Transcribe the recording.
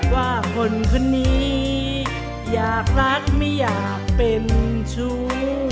ว่าคนคนนี้อยากรักไม่อยากเป็นชู้